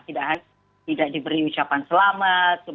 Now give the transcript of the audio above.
tidak diberi ucapan selamat